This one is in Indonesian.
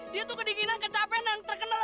dia tuh kedinginan kecapean yang terkenal